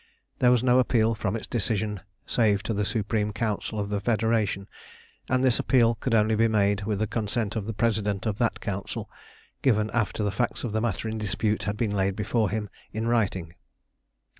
There was no appeal from its decision save to the Supreme Council of the Federation, and this appeal could only be made with the consent of the President of that Council, given after the facts of the matter in dispute had been laid before him in writing.